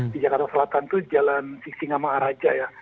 di jakarta selatan tuh jalan sisingama araja ya